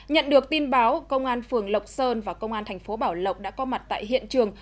nhận được tin báo công an phường lộc sơn và công an thành phố bảo lộc đã có mặt tại hiện trường